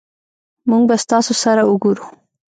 مونږ به ستاسو سره اوګورو